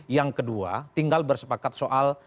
yang kedua tinggal bersepakat soal